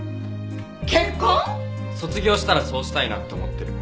卒業したらそうしたいなって思ってる。